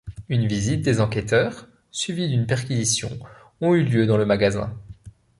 Une visite des enquêteurs, suivie d'une perquisition ont eu lieu dans le magasin.